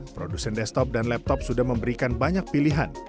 produsen desktop dan laptop sudah memberikan banyak pilihan